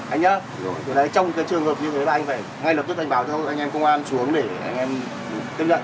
anh nhớ trong trường hợp như thế là anh phải ngay lập tức anh bảo cho anh em công an xuống để anh em tiếp nhận